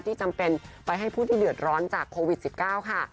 จำเป็นไปให้ผู้ที่เดือดร้อนจากโควิด๑๙ค่ะ